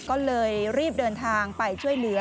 ก็เลยรีบเดินทางไปช่วยเหลือ